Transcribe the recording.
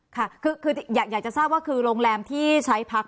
ค่ะคืออยากจะทราบว่าคือโรงแรมที่ใช้พัก